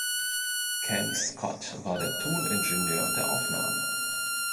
Ken Scott war der Toningenieur der Aufnahmen.